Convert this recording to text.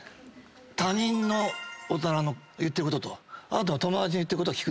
他人の大人の言ってることとあと友達の言ってることは聞く。